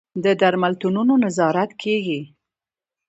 د درملتونونو نظارت کیږي؟